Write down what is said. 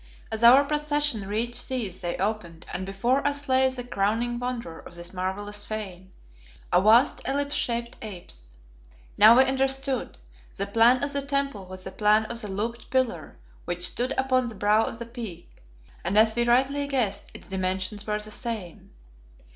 As our procession reached these they opened, and before us lay the crowning wonder of this marvellous fane, a vast, ellipse shaped apse. Now we understood. The plan of the temple was the plan of the looped pillar which stood upon the brow of the Peak, and as we rightly guessed, its dimensions were the same.